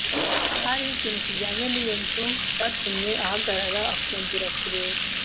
Hariho ikintu kijyanye n'iyo nzu cyatumye ahagarara akongera kureba.